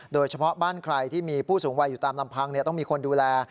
โดยเฉพาะบ้านใครที่มีผู้สูงวัยอยู่ตามลำพังต้องมีคนดูแล